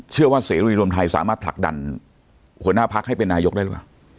เสรีรวมไทยสามารถผลักดันหัวหน้าพักให้เป็นนายกได้หรือเปล่า